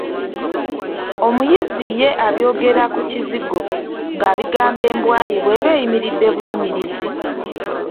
Omuyizzi ye abyogera ku kizigo ng’abigamba embwa ye bw’eba eyimiridde buyimirizi.